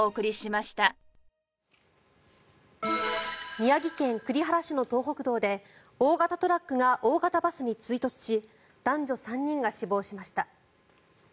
宮城県栗原市の東北道で大型トラックが大型バスに追突し男女３人が死亡しました。